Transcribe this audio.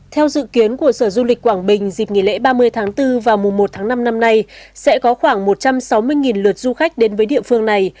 theo dự kiến của sở du lịch quảng bình dịp nghỉ lễ ba mươi tháng bốn và mùa một tháng năm năm nay sẽ có khoảng một trăm sáu mươi lượt du khách đến với địa phương này